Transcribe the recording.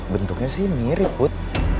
bentuknya sih mirip bud